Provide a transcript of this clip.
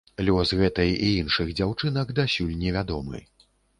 Лёс гэтай і іншых дзяўчынак дасюль невядомы.